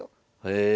へえ。